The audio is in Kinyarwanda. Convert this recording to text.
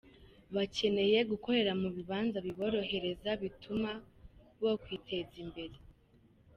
"Bakeneye gukorera mu bibanza biborohereza, bituma bokwiteza imbere.